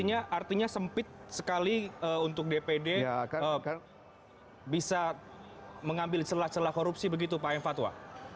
artinya sempit sekali untuk dpd bisa mengambil celah celah korupsi begitu pak m fatwa